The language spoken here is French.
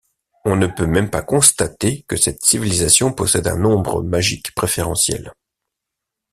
On ne peut même pas constater que cette civilisation possède un nombre magique préférentiel.